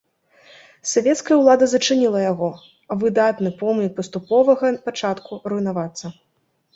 Савецкая ўлада зачыніла яго, а выдатны помнік паступовага пачатку руйнавацца.